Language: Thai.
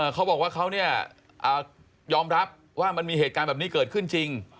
เขาบอกว่าเขาเนี่ยยอมรับว่ามันมีเหตุการณ์แบบนี้เกิดขึ้นจริง